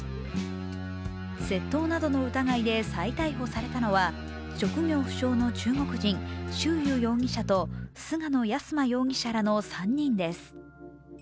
窃盗などの疑いで再逮捕されたのは職業不詳の中国人・周瑜容疑者と菅野安真容疑者らの３人です。